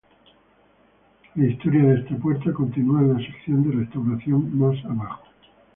La historia de esta puerta continúa en la sección de restauración más abajo.